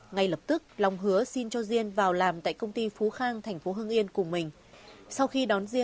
ngay lập tức long hứa xin cho diên vào làm tại công ty phú khang thành phố hương yên cùng mình